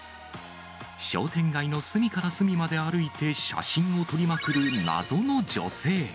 商店街の隅から隅まで歩いて写真を撮りまくる謎の女性。